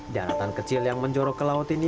daratan kecil yang menjorok ke laut ini